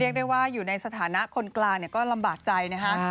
ได้ว่าอยู่ในสถานะคนกลางก็ลำบากใจนะคะ